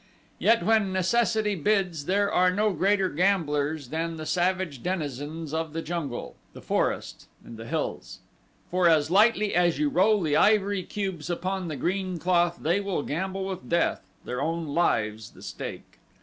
Yet when necessity bids there are no greater gamblers than the savage denizens of the jungle, the forest, and the hills, for as lightly as you roll the ivory cubes upon the green cloth they will gamble with death their own lives the stake.